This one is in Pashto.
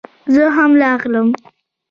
زه هم راغلم